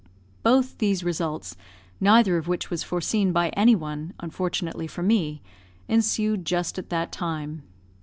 Both these results, neither of which was foreseen by any one, unfortunately for me, ensued just at that time.